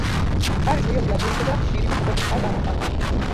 კარის ღიობი აგურისა და შირიმის ქვებითაა გამოყვანილი.